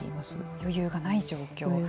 余裕がない状況。